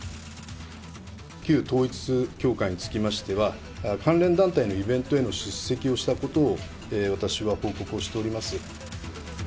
旧統一教会につきましては、関連団体のイベントへの出席をしたことを、私は報告をしております。